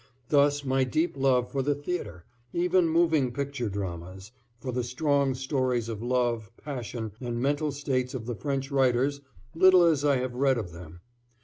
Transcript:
Thus my deep love for the theatre, even moving picture dramas, for the strong stories of love, passion and mental states of the French writers, little as I have read of them.